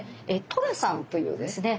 「とら」さんというですね